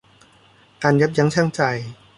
การยับยั้งชั่งใจ